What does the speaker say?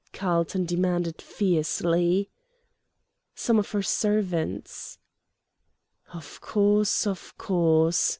Carlton demanded, fiercely. "Some of her servants." "Of course, of course!"